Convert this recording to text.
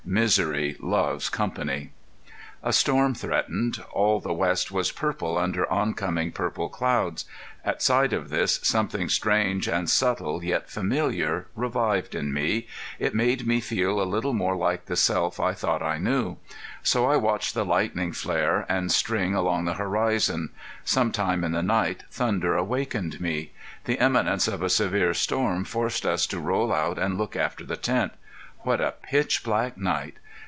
Misery loves company. A storm threatened. All the west was purple under on coming purple clouds. At sight of this something strange and subtle, yet familiar, revived in me. It made me feel a little more like the self I thought I knew. So I watched the lightning flare and string along the horizon. Some time in the night thunder awakened me. The imminence of a severe storm forced us to roll out and look after the tent. What a pitch black night!